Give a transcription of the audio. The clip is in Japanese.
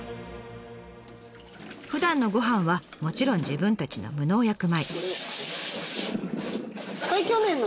ふだんのご飯はもちろん自分たちの無農薬米。